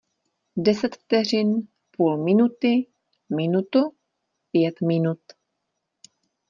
Deset vteřin, půl minuty, minutu, pět minut...